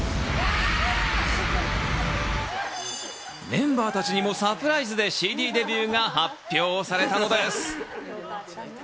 メンバーたちにもサプライズでＣＤデビューが発表されたのです。